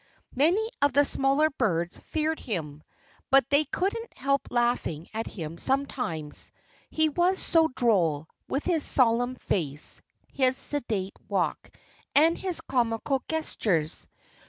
Many of the smaller birds feared him. But they couldn't help laughing at him sometimes he was so droll, with his solemn face, his sedate walk, and his comical gestures.